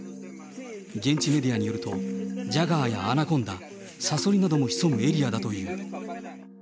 現地メディアによると、ジャガーやアナコンダ、サソリなども潜むエリアだという。